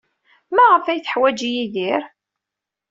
Maɣef ay t-yeḥwaj Yidir?